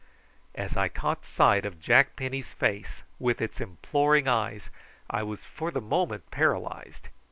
As I caught sight of Jack Penny's face with its imploring eyes I was for the moment paralysed.